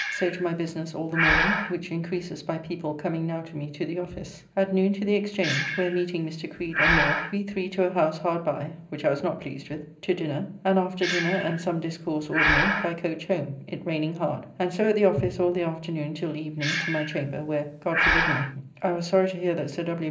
So to my business all the morning, which increases by people coming now to me to the office. At noon to the Exchange, where meeting Mr. Creed and Moore we three to a house hard by (which I was not pleased with) to dinner, and after dinner and some discourse ordinary by coach home, it raining hard, and so at the office all the afternoon till evening to my chamber, where, God forgive me, I was sorry to hear that Sir W.